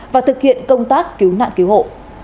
và thực hiện công tác cứu nạn cứu hộ